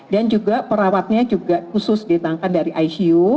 dan juga perawatnya juga khusus ditangkan dari icu